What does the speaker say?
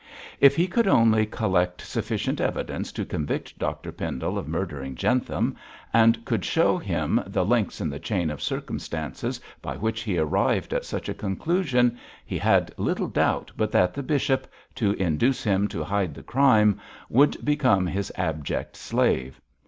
If he could only collect sufficient evidence to convict Dr Pendle of murdering Jentham, and could show him the links in the chain of circumstances by which he arrived at such a conclusion, he had little doubt but that the bishop, to induce him to hide the crime, would become his abject slave.